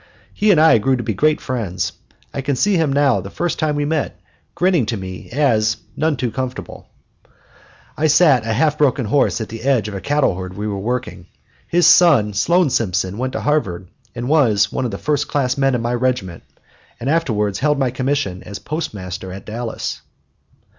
He and I grew to be great friends. I can see him now the first time we met, grinning at me as, none too comfortable, I sat a half broken horse at the edge of a cattle herd we were working. His son Sloan Simpson went to Harvard, was one of the first class men in my regiment, and afterwards held my commission as Postmaster at Dallas.